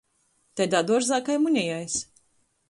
Taidā duorzā kai munejais.